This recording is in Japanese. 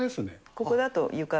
ここだと床。